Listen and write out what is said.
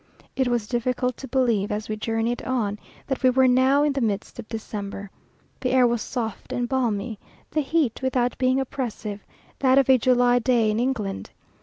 It was difficult to believe, as we journeyed on, that we were now in the midst of December. The air was soft and balmy. The heat, without being oppressive, that of a July day in England.